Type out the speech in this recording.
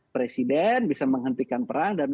presiden bisa menghentikan perang dan